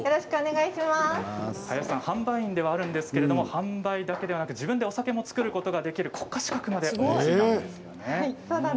林さん、販売員ではあるんですが販売だけではなく自分でお酒も造ることができる国家資格までお持ちです。